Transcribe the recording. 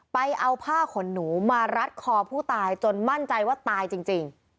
ไปเอาผ้าขนหนูมารัดคอผู้ตายจนมั่นใจว่าตายจริง